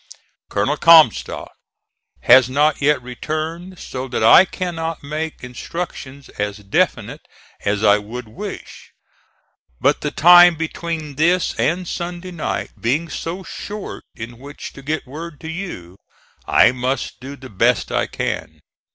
Colonel Comstock has not yet returned, so that I cannot make instructions as definite as I would wish, but the time between this and Sunday night being so short in which to get word to you, I must do the best I can.